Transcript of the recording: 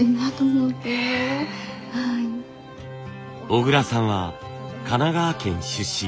小倉さんは神奈川県出身。